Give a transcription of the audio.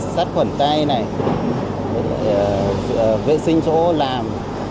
sát khuẩn tay vệ sinh chỗ làm